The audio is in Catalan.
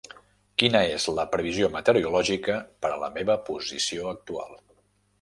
Quina és la previsió meteorològica per a la meva posició actual